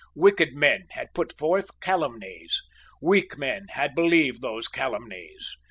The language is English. Wicked men had put forth calumnies. Weak men had believed those calumnies.